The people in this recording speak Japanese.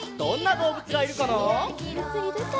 どうぶついるかな？